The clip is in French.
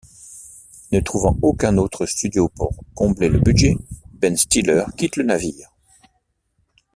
Ne trouvant aucun autre studio pour combler le budget, Ben Stiller quitte le navire.